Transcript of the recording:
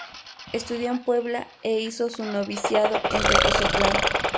Estudió en Puebla e hizo su noviciado en Tepotzotlán.